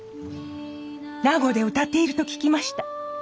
名護で歌っていると聞きました。